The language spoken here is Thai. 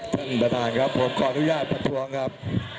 ท่านประธานครับผมขออนุญาตประท้วงครับ